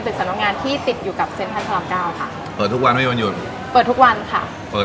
คุณให้พันวาดดนี้ช่วยยินไทย